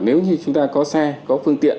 nếu như chúng ta có xe có phương tiện